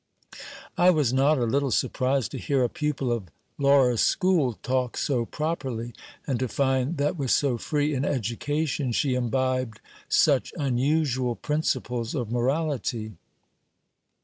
I was not a little surprised to hear a pupil of Laura's school talk so properly, and to find that with so free an education she imbibed such j unusual principles of morality.